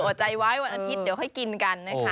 อัดใจไว้วันอาทิตย์เดี๋ยวค่อยกินกัน